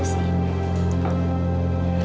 begitu jauh muter